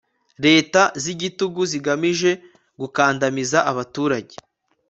leta z'igitugu zigamije gukandamiza abaturage